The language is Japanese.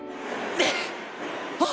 えっ？